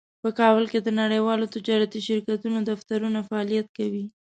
په کابل کې د نړیوالو تجارتي شرکتونو دفترونه فعالیت کوي